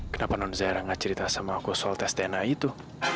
kenapa non zahira nggak cerita sama aku soal tes dna itu